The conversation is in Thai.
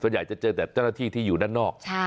อยากจะเจอแต่เจ้าหน้าที่ที่อยู่ด้านนอก